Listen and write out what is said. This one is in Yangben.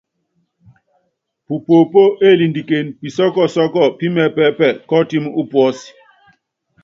Pupoopó élindiken pisɔ́ɔ́ kɔsɔ́ɔ́kɔ pí mɛɛ́pɛ́pɛ bɔ́ ɔtɛ́m ú puɔ́s.